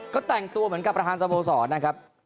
ก็แต่งตัวเหมือนกับประธานสโมสรนะครับ